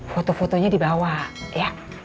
foto fotonya di bawah ya